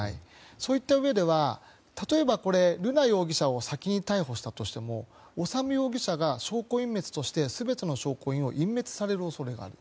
そういったうえでは例えば、瑠奈容疑者を先に逮捕したとしても修容疑者が証拠隠滅をして全ての証拠を隠滅される恐れがある。